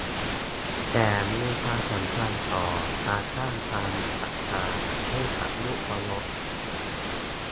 แสงมีความสำคัญต่อการสร้างความศักดิ์สิทธิ์ให้กับรูปเคารพ